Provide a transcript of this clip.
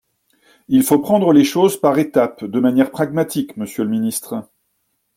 Il faut prendre les choses par étapes, de manière pragmatique, monsieur le ministre.